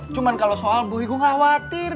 cuman kalau soal buhi gue gak khawatir